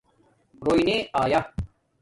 رݸئ نے آیا